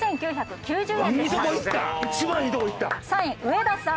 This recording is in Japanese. ３位上田さん。